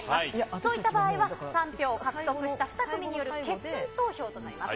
そういった場合は、３票を獲得した２組による決選投票となります。